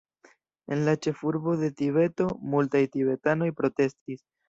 En la ĉefurbo de Tibeto, multaj tibetanoj protestis.